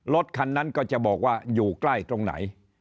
รถคันนั้นก็จะบอกว่าอยู่ใกล้ตรงไหน